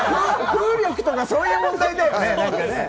風力とか、そういう問題だよね。